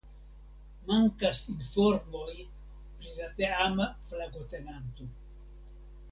Mankas informoj pri la teama flagotenanto.